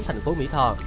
thành phố mỹ tho